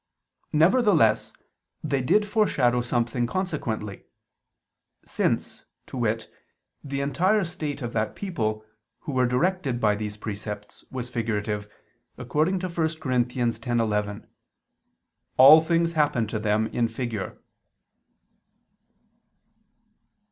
Nevertheless they did foreshadow something consequently: since, to wit, the entire state of that people, who were directed by these precepts, was figurative, according to 1 Cor. 10:11: "All ... things happened to them in figure."